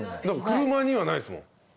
車にはないですもん。